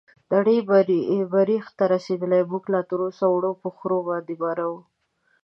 نړۍ مريح ته رسيدلې موږ لا تراوسه وړو په خرو باندې بارونه